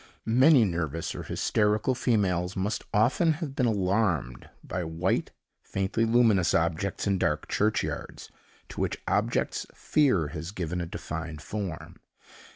Many nervous or hysterical females must often have been alarmed by white, faintly luminous objects in dark churchyards, to which objects fear has given a defined form.